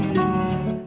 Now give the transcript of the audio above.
xếp thứ bốn asean